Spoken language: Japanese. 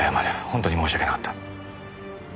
本当に申し訳なかった。